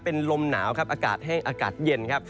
เป็นลมหนาวครับอากาศแห้งอากาศเย็นครับ